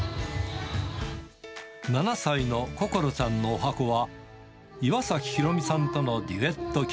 ７歳のこころちゃんのおはこは、岩崎宏美さんとのデュエット曲。